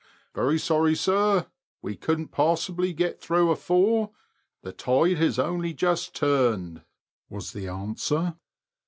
" Very sorry, sir ; we couldn't possibly get through before — the tide has only just turned,'* was the answer.